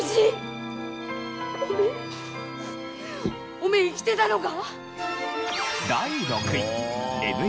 お前生きてたのか？